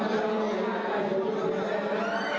สวัสดีครับ